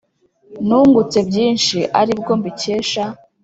Nungutse byinshi ari bwo mbikesha,